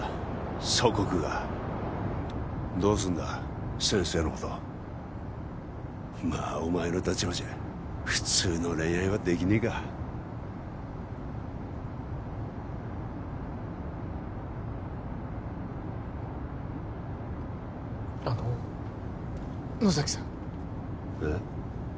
祖国がどうすんだ先生のことまあお前の立場じゃ普通の恋愛はできねえかあの野崎さんえっ？